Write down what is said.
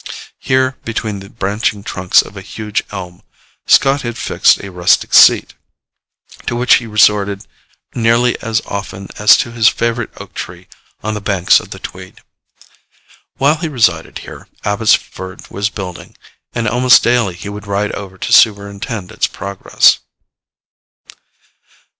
Here, between the branching trunks of a huge elm, Scott had fixed a rustic seat, to which he resorted nearly as often as to his favorite oak tree on the banks of the Tweed. While he resided here, Abbotsford was building; and almost daily he would ride over to superintend its progress.